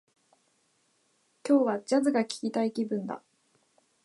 今日は、ジャズが聞きたい気分だ